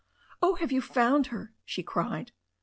"Oh, have you found her?" she cried.